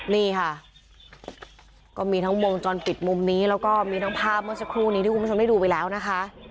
นี่ค่ะก็มีทั้งวงจรปิดมุมนี้แล้วก็มีทั้งภาพเมื่อสักครู่นี้ที่คุณผู้ชมได้ดูไปแล้วนะคะ